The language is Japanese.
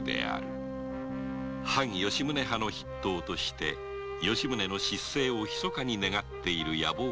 反吉宗派の筆頭として吉宗の失政をひそかに願っている野望